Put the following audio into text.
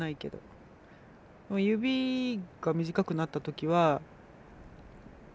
指が短くなった時は。